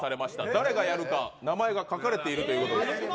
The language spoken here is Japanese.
誰がやるか名前が書かれているということです。